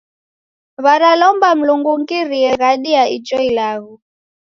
W'aralomba Mlungu ungirie ghadi ya ijo ilagho.